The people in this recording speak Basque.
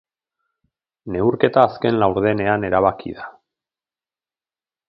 Neurketa azken laurdenean erabaki da.